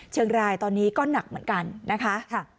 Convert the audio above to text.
เชียงรายตอนนี้ก็หนักเหมือนกันนะคะ